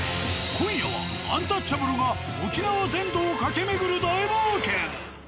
今夜はアンタッチャブルが沖縄全土を駆け巡る大冒険。